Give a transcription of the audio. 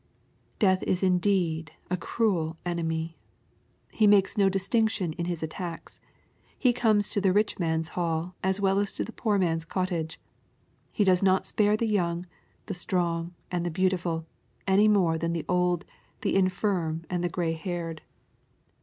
Death is indeed a cruel enemy ! He makes no distinc tion in his attacks. He comes to the rich man's hall, as well as to the poor man's cottage. He does not spare the young, the strong, and the beautiful, any more than the old, the infirm, and the grey haired.